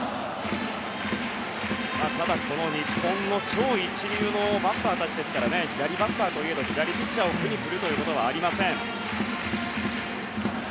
ただ、日本の超一流のバッターたちですから左バッターといえど左ピッチャーを苦にすることはありません。